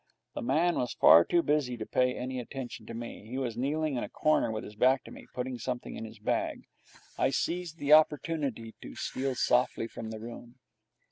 The man was far too busy to pay any attention to me. He was kneeling in a corner with his back to me, putting something in his bag. I seized the opportunity to steal softly from the room.